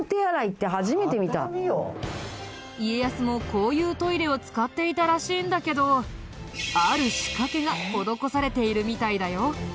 家康もこういうトイレを使っていたらしいんだけどある仕掛けが施されているみたいだよ。